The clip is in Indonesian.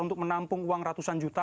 untuk menampung uang ratusan juta